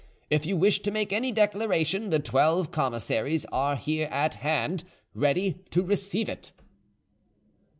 If you wish to make any declaration, the twelve commissaries are here at hand, ready to receive it."